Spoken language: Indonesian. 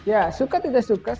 ya suka tidak suka